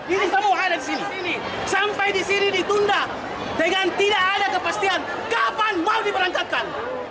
ini kamu hadir di sini sini sampai di sini ditunda dengan tidak ada kepastian kapan mau diberangkatkan